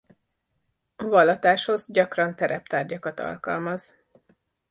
Vallatáshoz gyakran tereptárgyakat alkalmaz.